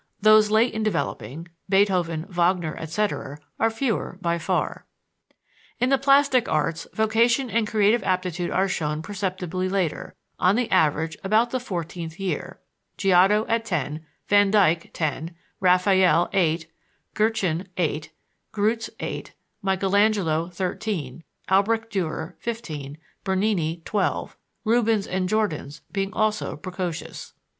Those late in developing Beethoven, Wagner, etc. are fewer by far. In the plastic arts, vocation and creative aptitude are shown perceptibly later, on the average about the fourteenth year: Giotto, at ten; Van Dyck, ten; Raphael, eight; Guerchin, eight; Greuze, eight; Michaelangelo, thirteen; Albrecht Dürer, fifteen; Bernini, twelve; Rubens and Jordaens being also precocious.